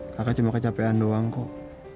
kakak cuma kecapean doang kok